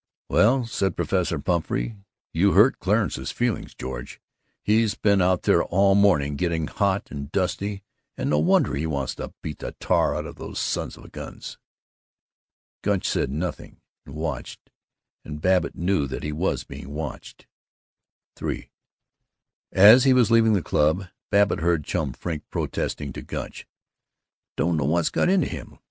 "Well," said Professor Pumphrey, "you hurt Clarence's feelings, George. He's been out there all morning getting hot and dusty, and no wonder he wants to beat the tar out of those sons of guns!" Gunch said nothing, and watched; and Babbitt knew that he was being watched. III As he was leaving the club Babbitt heard Chum Frink protesting to Gunch, " don't know what's got into him.